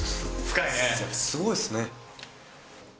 すごいですね。